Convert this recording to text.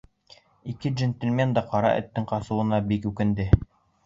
Ике джентльмен да Ҡара Эттең ҡасыуына бик үкенде.